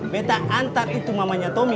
saya hantar itu mamahnya tommy